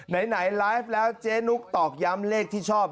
ไหนไลฟ์แล้วเจ๊นุ๊กตอกย้ำเลขที่ชอบ